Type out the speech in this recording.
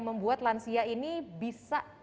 membuat lansia ini bisa